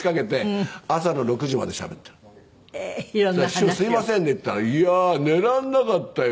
「師匠すいませんね」って言ったら「いやー寝られなかったよ」